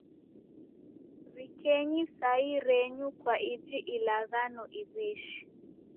W'ikenyi sahii renyu kwa iji ilaghano iw'ishi